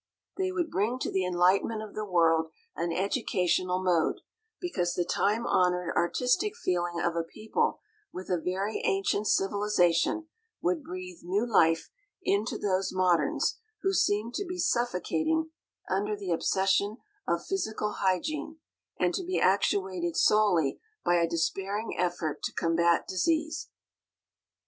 They would bring to the enlightenment of the world an "educational mode," because the time honored artistic feeling of a people with a very ancient civilization would breathe new life into those moderns who seemed to be suffocating under the obsession of physical hygiene, and to be actuated solely by a despairing effort to combat disease.